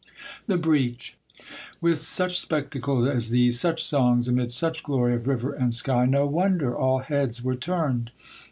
THE BREACH. With such spectacles as these, such songs, amid such glory of river and sky, no wonder all heads were turned.